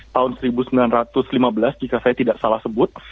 tahun seribu sembilan ratus lima belas jika saya tidak salah sebut